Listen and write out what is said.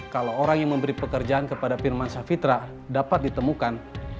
kalau orang yang memberi pekerjaan kepada firman safitra dapat ditemukan